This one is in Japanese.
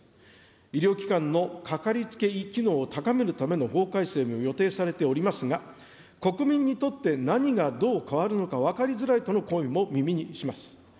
医療機関のかかりつけ医機能を高めるための法改正も予定されておりますが、国民にとって何がどう変わるのか分かりづらいとの声も耳にします。